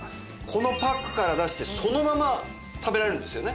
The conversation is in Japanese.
このパックから出してそのまま食べられるんですよね。